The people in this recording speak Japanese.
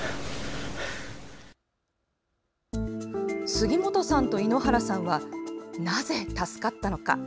杉本さんと猪原さんはなぜ助かったのか？